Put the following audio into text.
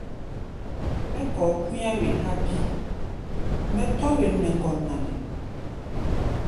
Mɛ́ kɔ̧ɔ̧ kú̧í̧á̧ wen há̧ bíí, mɛ tɔ̧́ wen nɛ ŋgɔ́n na nde?